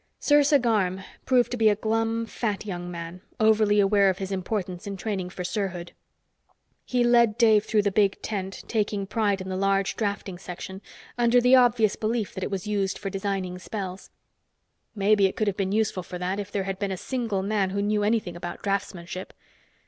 Sersa Garm proved to be a glum, fat young man, overly aware of his importance in training for serhood. He led Dave through the big tent, taking pride in the large drafting section under the obvious belief that it was used for designing spells. Maybe it could have been useful for that if there had been a single man who knew anything about draftsmanship.